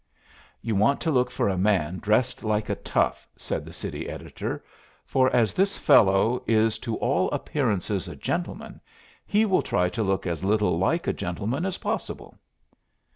"You want to look for a man dressed like a tough," said the city editor; "for as this fellow is to all appearances a gentleman, he will try to look as little like a gentleman as possible."